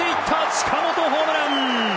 近本、ホームラン！